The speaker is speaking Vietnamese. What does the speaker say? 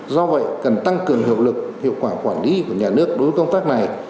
do vậy cần tăng cường hiệu lực hiệu quả quản lý của nhà nước đối với công tác này